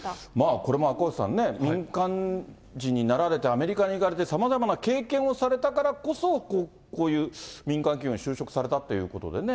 これも赤星さんね、民間人になられてアメリカに行かれて、さまざまな経験をされたからこそ、こういう民間企業に就職されたということでね。